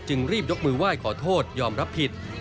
รีบยกมือไหว้ขอโทษยอมรับผิด